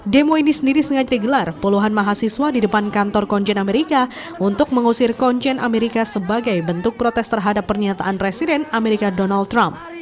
demo ini sendiri sengaja digelar puluhan mahasiswa di depan kantor konjen amerika untuk mengusir konjen amerika sebagai bentuk protes terhadap pernyataan presiden amerika donald trump